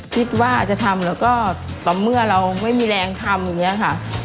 คิดว่าจะทำแล้วก็ต่อเมื่อเราไม่มีแรงทำอย่างนี้ค่ะ